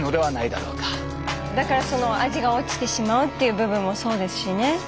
だから味が落ちてしまうっていう部分もそうですしね。